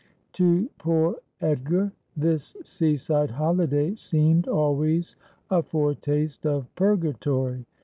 175 To poor Edgar this sea side holiday seemed always a foretaste of purgatory.